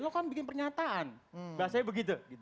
lo kan bikin pernyataan bahasanya begitu